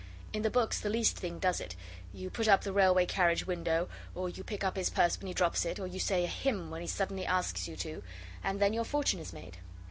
In the books the least thing does it you put up the railway carriage window or you pick up his purse when he drops it or you say a hymn when he suddenly asks you to, and then your fortune is made.